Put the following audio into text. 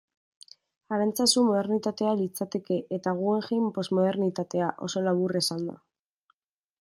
Arantzazu modernitatea litzateke, eta Guggenheim, posmodernitatea, oso labur esanda.